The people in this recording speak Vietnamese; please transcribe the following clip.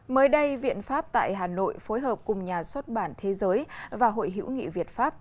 mới đây viện pháp tại hà nội phối hợp cùng nhà xuất bản thế giới và hội hữu nghị việt pháp